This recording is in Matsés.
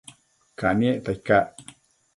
Caniecta icac?